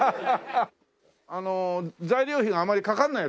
あの材料費があまりかからないやつがいい。